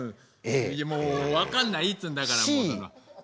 もう分かんないっつうんだから。